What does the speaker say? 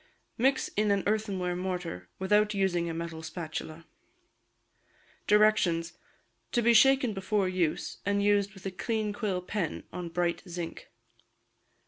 Mix in an earthenware mortar, without using a metal spatula. Directions. To be shaken before use, and used with a clean quill pen, on bright zinc.